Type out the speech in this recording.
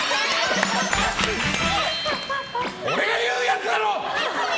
俺が言うやつだろ！